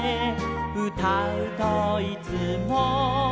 「うたうといつも」